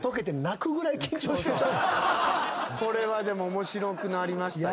これはでも面白くなりましたよ。